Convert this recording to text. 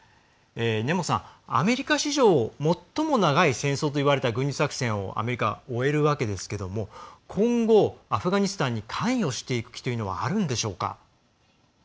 根本さん、アメリカ史上最も長い戦争といわれた軍事作戦をアメリカは終えるわけですけども今後、アフガニスタンに関与していく気はあるのでしょうか。